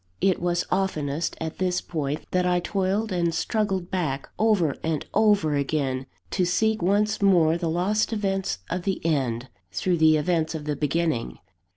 It was oftenest at this point, that I toiled and struggled back, over and over again, to seek once more the lost events of the End, through the events of the Beginning.